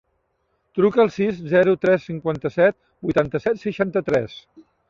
Truca al sis, zero, tres, cinquanta-set, vuitanta-set, seixanta-tres.